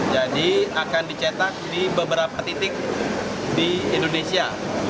jadi akan dicetak di beberapa titik di indonesia